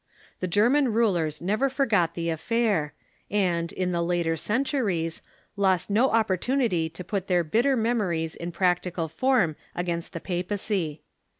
The German rulers never forgot the affair, and, in the later centuries, lost no opportunity to put their bitter memories in practical form against the papacy.